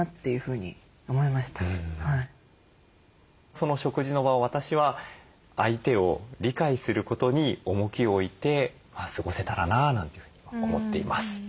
その食事の場を私は相手を理解することに重きを置いて過ごせたらななんていうふうに思っています。